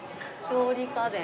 調理家電。